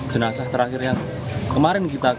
jenazah terakhir yang kemarin kita